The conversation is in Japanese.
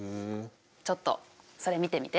ちょっとそれ見てみて。